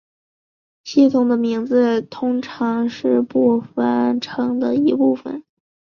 系统的名字通常是名称的一部分。